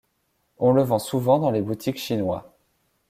On le vend souvent dans les boutiques chinois.